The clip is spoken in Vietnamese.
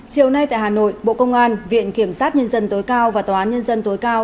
chiều nay tại hà nội bộ công an viện kiểm sát nhân dân tối cao và tòa án nhân dân tối cao